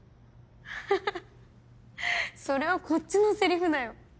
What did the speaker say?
フフそれはこっちのセリフだよ。